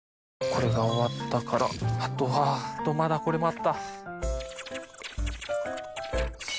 これが終わったからあとはまだこれもあった。